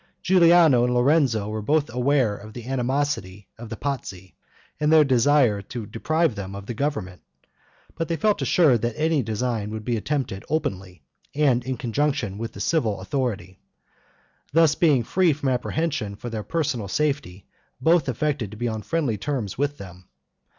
Giuliano and Lorenzo were both aware of the animosity of the Pazzi, and their desire to deprive them of the government; but they felt assured that any design would be attempted openly, and in conjunction with the civil authority. Thus being free from apprehension for their personal safety both affected to be on friendly terms with them.